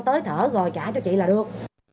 tới thở rồi trả cho chị là được